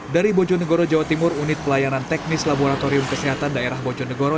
dari bojonegoro jawa timur unit pelayanan teknis laboratorium kesehatan daerah bojonegoro